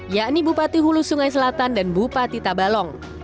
yakni bupati hulu sungai selatan dan bupati tabalong